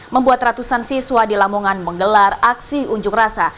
membuat ratusan siswa di lamongan menggelar aksi unjuk rasa